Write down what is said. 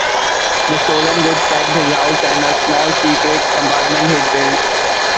The stolen goods packed his house and a small secret compartment he'd built.